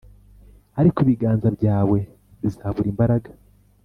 ariko ibiganza byawe bizabura imbaraga.